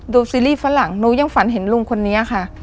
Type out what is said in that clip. ซีรีส์ฝรั่งหนูยังฝันเห็นลุงคนนี้ค่ะ